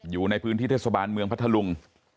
อยู่ในพื้นที่เทศบาลเมืองพัทธลุง